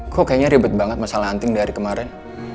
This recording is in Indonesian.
kok kayaknya ribet banget masalah anting dari kemarin